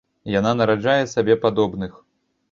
Яна нараджае сабе падобных.